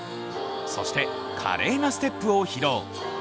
そして、華麗なステップを披露。